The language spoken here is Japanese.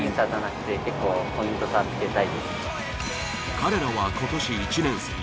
彼らは今年１年生。